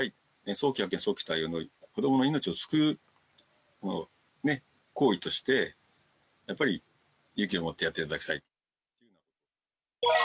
早期発見、早期対応、子どもの命を救う行為として、やっぱり勇気を持ってやっていただきたい。